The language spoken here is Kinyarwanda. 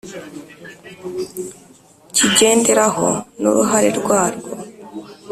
Kigenderaho n uruhare rwarwo